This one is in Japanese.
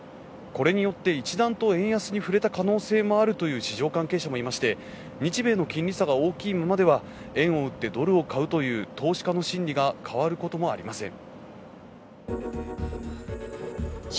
これによって一段と円安に振れた可能性があるという市場関係者もいまして、日米の金利差が大きいままでは円を売ってドルを買うという投資家の心理が変わることもありません。